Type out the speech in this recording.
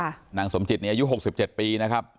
ค่ะนางสมจิตนี้อายุหกสิบเจ็ดปีนะครับ